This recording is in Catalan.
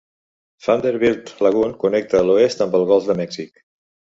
Vanderbilt Lagoon connecta a l'oest amb el golf de Mèxic.